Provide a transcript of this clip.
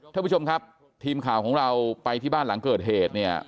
ท่านผู้ชมครับทีมข่าวของเราไปที่บ้านหลังเกิดเหตุเนี่ย